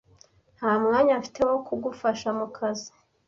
Nta mwanya mfite wo kugufasha mukazi.